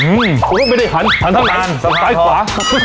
ฮะอืมโอ้ยไม่ได้หันหันทางหลานสะพานหันซ้ายขวา